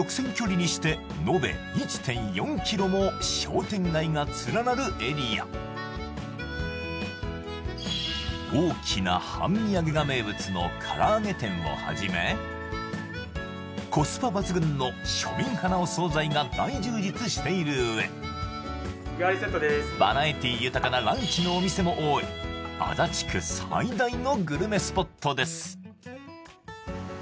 う３人がやってきたエリア大きな半身揚げが名物の唐揚げ店をはじめコスパ抜群の庶民派なお惣菜が大充実している上バラエティー豊かなランチのお店も多い足立区最大のグルメスポットです